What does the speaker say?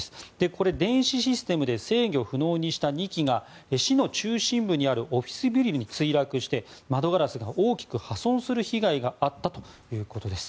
これ、電子システムで制御不能にした２機が市の中心部にあるオフィスビルに墜落して窓ガラスが大きく破損する被害があったということです。